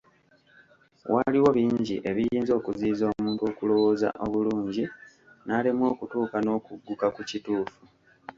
Waliwo bingi ebiyinza okuziyiza omuntu okulowooza obulungi, n'alemwa okutuuka n'okugguka ku kituufu.